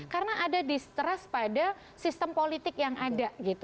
karena ada distrust pada sistem politik yang ada gitu